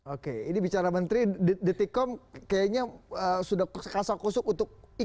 oke ini bicara menteri detik com kayaknya sudah kasar kusuk untuk ikutin